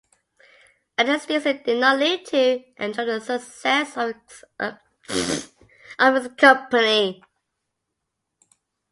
Eddie Stinson did not live to enjoy the success of his company.